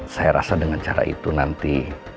saya rasa dengan cara itu nanti